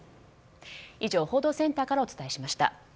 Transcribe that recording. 以上、報道センターからお伝えしました。